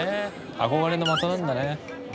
憧れの的なんだね。